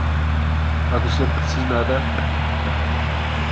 ئادىشىم، سىز نەدە؟